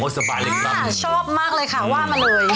สบายเลยครับชอบมากเลยค่ะว่ามาเลย